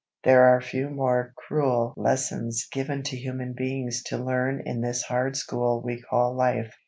There are few more cruel lessons given to human beings to learn in this hard school we call life.